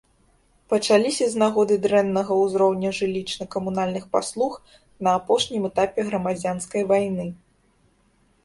Пачаліся з нагоды дрэннага ўзроўня жылічна-камунальных паслуг на апошнім этапе грамадзянскай вайны.